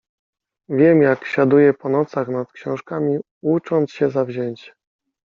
Wiem, jak siaduje po nocach nad książkami, ucząc się zawzięcie.